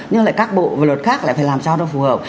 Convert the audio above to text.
nhưng lại các bộ và luật khác lại phải làm sao cho phù hợp